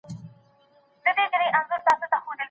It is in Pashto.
که څوک خپله ميرمن په حيض کي طلاقه کړي څه کيږي؟